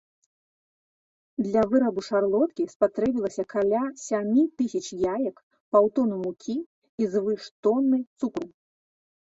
Для вырабу шарлоткі спатрэбілася каля сямі тысяч яек, паўтоны мукі і звыш тоны цукру.